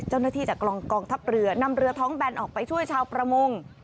เจ้าหน้าที่จากกองทัพเรือนำเรือท้องแบนออกไปช่วยชาวประมง